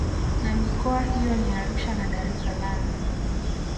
Na mikoa hiyo ni Arusha na Dar es salaam